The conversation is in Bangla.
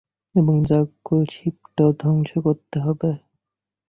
এবং, যার্গ শিপটাও ধ্বংস করতে হবে।